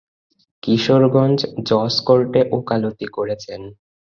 কিশোরগঞ্জ জজ কোর্টে ওকালতি করেছেন।